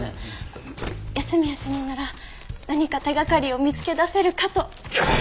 安洛主任なら何か手掛かりを見つけ出せるかと。